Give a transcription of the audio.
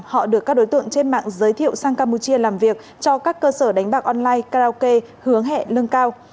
họ được các đối tượng trên mạng giới thiệu sang campuchia làm việc cho các cơ sở đánh bạc online karaoke hướng hẹ lưng cao